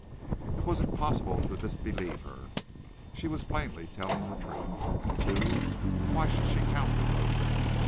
It was impossible to disbelieve her; she was plainly telling the truth. And, too, why should she count the roses?